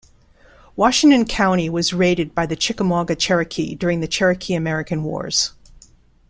Washington County was raided by the Chickamauga Cherokee during the Cherokee-American wars.